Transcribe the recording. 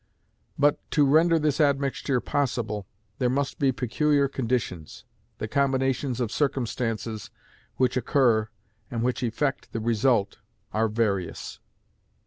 But, to render this admixture possible, there must be peculiar conditions. The combinations of circumstances which occur, and which effect the result, are various.